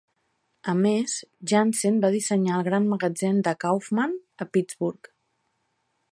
A més, Janssen va dissenyar el gran magatzem de Kaufmann a Pittsburgh.